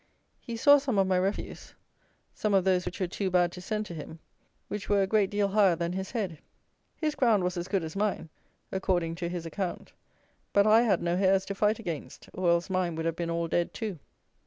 He saw some of my refuse; some of those which were too bad to send to him, which were a great deal higher than his head. His ground was as good as mine, according to his account; but I had no hares to fight against; or else mine would have been all dead too.